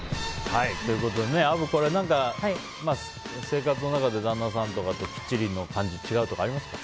アブ、生活の中で旦那さんとかときっちりの感じ違うとかありますか？